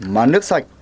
mà nước sạch